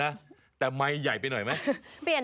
น้ำตาตกโคให้มีโชคเมียรสิเราเคยคบกันเหอะน้ำตาตกโคให้มีโชค